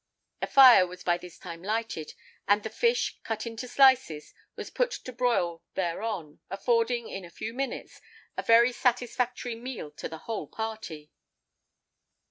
A fire was by this time lighted; and the fish, cut into slices, was put to broil thereon, affording, in a few minutes, a very satisfactory meal to the whole party.